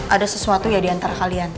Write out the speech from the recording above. ada sesuatu ya diantara kalian